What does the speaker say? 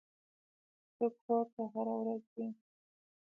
ته کور ته هره ورځ ځې.